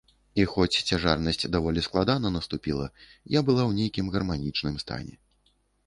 І хоць цяжарнасць даволі складана наступіла, я была ў нейкім гарманічным стане.